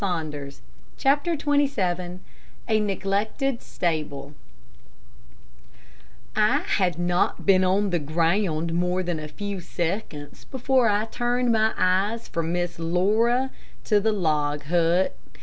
CHAPTER XXVII A NEGLECTED STABLE I had not been on the ground more than a few seconds, before I turned my eyes from Miss Laura to the log hut.